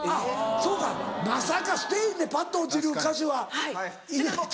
そうかまさかステージでパッド落ちる歌手はいないと。